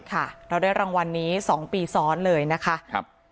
ค่ะเราได้รางวัลนี้สองปีซ้อนเลยนะคะครับ